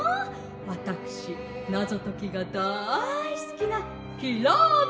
わたくしナゾときがだいすきなヒラメＱ！